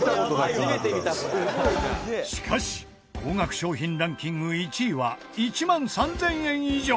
しかし高額商品ランキング１位は１万３０００円以上。